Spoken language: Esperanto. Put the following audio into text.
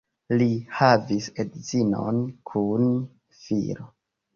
Li havis edzinon kun filo.